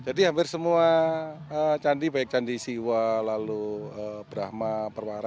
jadi hampir semua candi baik candi siwa lalu brahma perwara